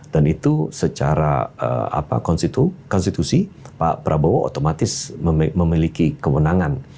dan itu secara konstitusi pak prabowo otomatis memiliki kemenangan